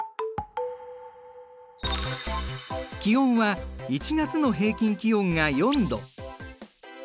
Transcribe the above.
気温は１月の平均気温が４度。